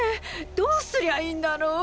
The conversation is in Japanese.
どうすりゃいいんだろう。